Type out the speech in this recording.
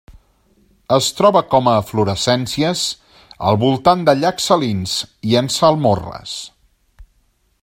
Es troba com eflorescències al voltant dels llacs salins i en salmorres.